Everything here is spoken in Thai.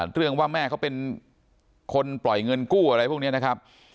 เรื่องว่าแม่เขาเป็นคนปล่อยเงินกู้อะไรพวกนี้นะครับ